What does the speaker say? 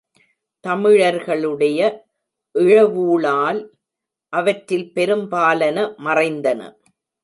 தமிழர்களுடைய இழவூழால் அவற்றில் பெரும்பாலன மறைந்தன.